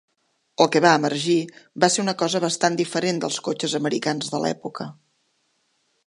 El que va emergir va ser una cosa bastant diferent dels cotxes americans de l'època.